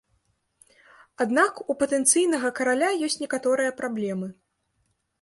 Аднак у патэнцыйнага караля ёсць некаторыя праблемы.